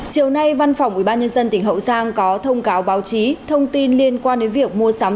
chiều nay văn phòng ubnd tỉnh hậu giang có thông cáo báo chí thông tin liên quan đến việc mua sắm